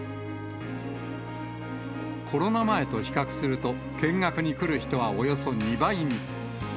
コロナ前と比較すると、見学に来る人はおよそ２倍に。